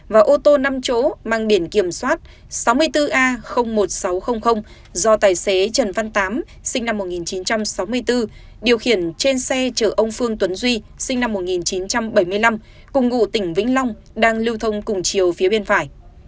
và ô tô năm chỗ mang biển kiểm soát sáu mươi bốn a một nghìn sáu trăm linh do tài xế trần văn tám sinh năm một nghìn chín trăm sáu mươi bốn điều khiển trên xe chở ông phương tuấn duy sinh năm một nghìn chín trăm bảy mươi năm cùng ngụ tỉnh vĩnh long đang lưu thông cùng chiều phía bên phải